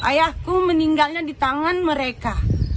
ayahku meninggalnya di tangan mereka